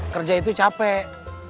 kerja itu capek